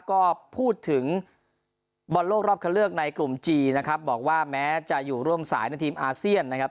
ก็พูดถึงบอลโลกรอบคันเลือกในกลุ่มจีนนะครับบอกว่าแม้จะอยู่ร่วมสายในทีมอาเซียนนะครับ